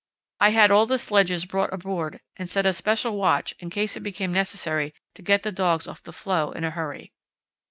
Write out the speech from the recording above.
I had all the sledges brought aboard and set a special watch in case it became necessary to get the dogs off the floe in a hurry.